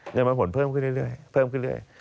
เงินปันผลเพิ่มขึ้นเรื่อย